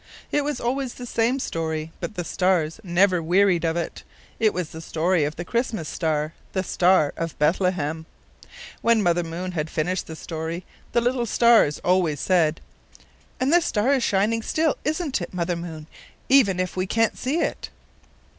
It was always the same story, but the stars never wearied of it. It was the story of the Christmas star the Star of Bethlehem. When Mother Moon had finished the story the little stars always said: "And the star is shining still, isn't it, Mother Moon, even if we can't see it?"